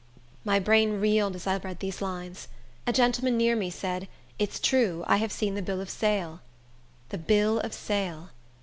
My brain reeled as I read these lines. A gentleman near me said, "It's true; I have seen the bill of sale." "The bill of sale!"